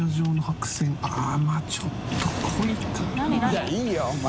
いやいいよお前。